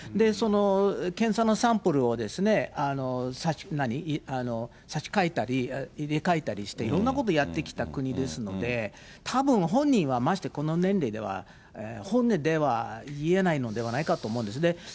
その検査のサンプルをですね、差し替えたり、入れ替えたりして、いろんなことをやってきた国ですので、たぶん本人は、ましてこの年齢では、本音では言えないのではないかなと思うんですね。